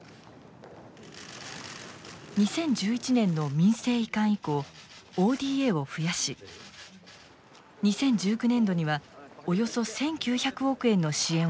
２０１１年の民政移管以降ＯＤＡを増やし２０１９年度にはおよそ１，９００億円の支援を行ってきました。